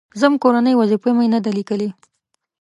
_ځم، کورنۍ وظيفه مې نه ده ليکلې.